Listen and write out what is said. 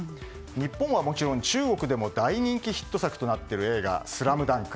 日本はもちろん中国でも大人気ヒット作となっている映画「ＳＬＡＭＤＵＮＫ」